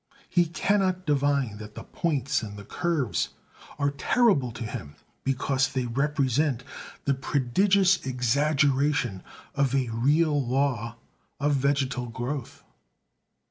He cannot divine that the points and the curves are terrible to him because they represent the prodigious exaggeration of a real law of vegetal growth.